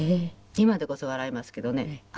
今でこそ笑いますけどね。